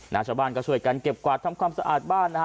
ชาวบ้านก็ช่วยกันเก็บกวาดทำความสะอาดบ้านนะฮะ